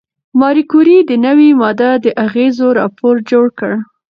ماري کوري د نوې ماده د اغېزو راپور جوړ کړ.